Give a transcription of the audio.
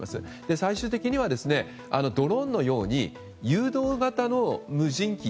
最終的にはドローンのように誘導型の無人機。